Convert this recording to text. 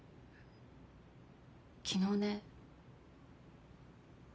昨日ね。